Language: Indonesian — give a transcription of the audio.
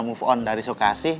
move on dari soekasih